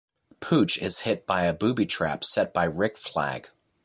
Pooch is hit by a booby trap set by Rick Flag.